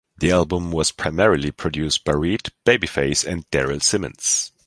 The album was primarily produced by Reid, Babyface, and Daryl Simmons.